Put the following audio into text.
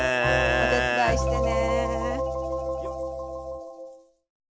お手伝いしてね！